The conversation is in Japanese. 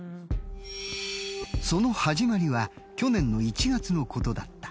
その始まりは去年の１月のことだった。